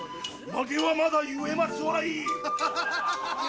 髷はまだ結えますわい！